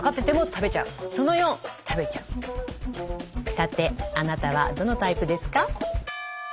さてあなたはどのタイプですか？